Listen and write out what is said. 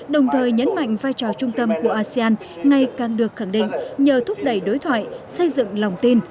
đồng thời nhấn mạnh vai trò trung tâm của asean ngày càng được khẳng định nhờ thúc đẩy đối thoại xây dựng lòng tin